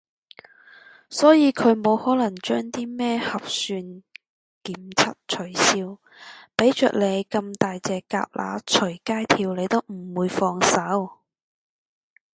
所以佢冇可能將啲咩核算檢測取消，畀着你咁大隻蛤乸隨街跳你都唔會放手